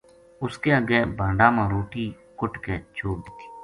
اس کے اَگے ایک بھانڈا ما روٹی کُٹ کے چھوڈ دِتی